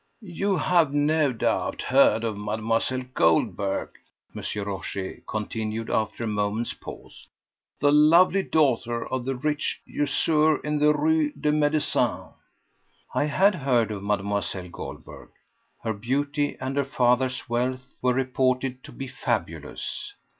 "You have no doubt heard of Mlle. Goldberg," M. Rochez continued after a moment's pause, "the lovely daughter of the rich usurer in the Rue des Médecins." I had heard of Mlle. Goldberg. Her beauty and her father's wealth were reported to be fabulous.